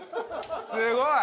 すごい！